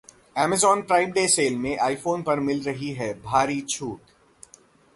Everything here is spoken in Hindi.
अमेजॉन प्राइम डे सेल में iPhone पर मिल रही है भारी छूट